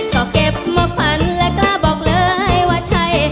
ก็เก็บมาฝันและกล้าบอกเลยว่าใช่